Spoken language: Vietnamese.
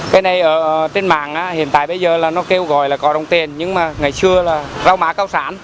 cây này ở trên mạng hiện tại bây giờ nó kêu gọi là cỏ đồng tiền nhưng mà ngày xưa là rau má cao sản